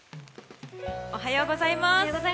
おはようございます。